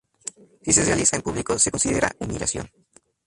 Si se realiza en público, se considera humillación.